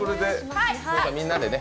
みんなでね。